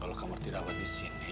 kalo kamu harus dirawat disini